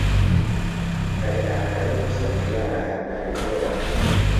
ئەرێ ئاخەرین قەسەم گیانە هەر ناوی تۆیە